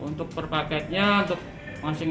untuk per paketnya untuk launching